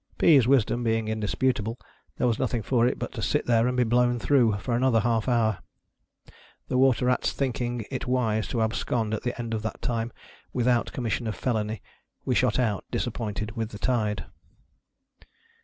Pea's wisdom being indisputable, there was nothing for it but to sit there and be blown through, for another half hour. The water rats thinking it wise to abscond at the end of that time without commission, of felony, we shot out, disappointed, with the tide.